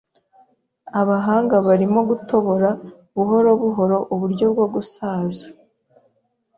Abahanga barimo gutobora buhoro buhoro uburyo bwo gusaza.